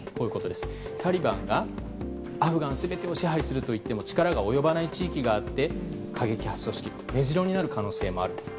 タリバンがアフガン全てを支配するという力が及ばない地域があって過激派組織の根城になる可能性がある。